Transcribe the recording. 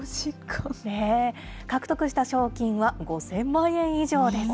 獲得した賞金は５０００万円以上です。